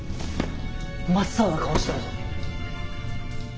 真っ青な顔してるぞ。